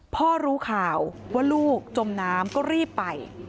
พ่อรู้ข่าวว่าลูกจมน้ำก็รีบไป